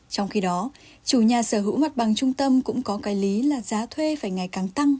trong khi đó chủ nhà sở hữu mặt bằng trung tâm cũng có cái lý là giá thuê phải ngày càng tăng